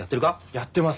やってます。